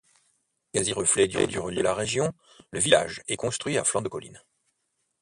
Quasi-reflet du relief de la région, le village est construit à flanc de colline.